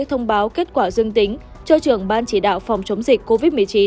thông báo kết quả dương tính cho trưởng ban chỉ đạo phòng chống dịch covid một mươi chín